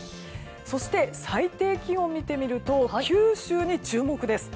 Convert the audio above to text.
そして、最低気温を見てみると九州に注目です。